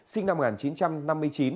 sinh năm một nghìn chín trăm năm mươi chín